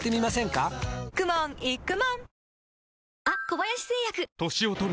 かくもんいくもん！